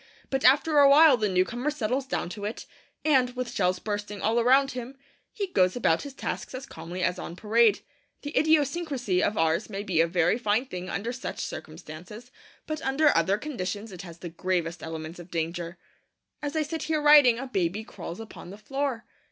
But after awhile the new comer settles down to it, and, with shells bursting all around him, he goes about his tasks as calmly as on parade. This idiosyncrasy of ours may be a very fine thing under such circumstances, but under other conditions it has the gravest elements of danger. As I sit here writing, a baby crawls upon the floor.